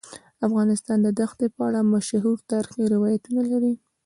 افغانستان د دښتې په اړه مشهور تاریخی روایتونه لري.